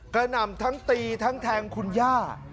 หนำทั้งตีทั้งแทงคุณย่า